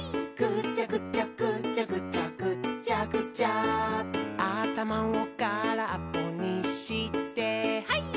「ぐちゃぐちゃぐちゃぐちゃぐっちゃぐちゃ」「あたまをからっぽにしてハイ！」